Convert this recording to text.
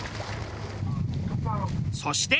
そして。